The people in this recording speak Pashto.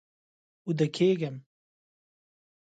اوده کیږم